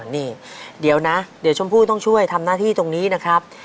นี่เดี๋ยวนะเดี๋ยวชมพู่ต้องช่วยทำหน้าที่ตรงนี้นะครับ